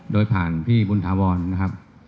โดยผ่านพี่บุญถาวรนะครับ